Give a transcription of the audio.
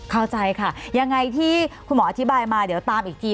เข้าใจค่ะยังไงที่คุณหมออธิบายมาเดี๋ยวตามอีกที